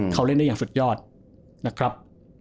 เขาเล่นได้อย่างสุดยอดนะครับ